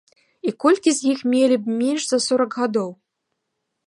І колькі з іх мелі б менш за сорак гадоў?